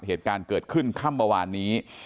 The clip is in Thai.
เหตุการณ์เกิดขึ้นข้ามบางวันนี้